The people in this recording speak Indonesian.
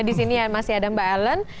disini masih ada mbak ellen